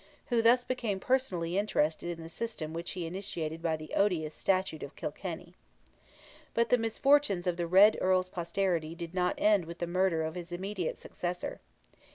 who thus became personally interested in the system which he initiated by the odious Statute of Kilkenny. But the misfortunes of the Red Earl's posterity did not end with the murder of his immediate successor.